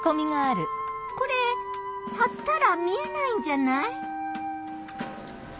これはったら見えないんじゃない？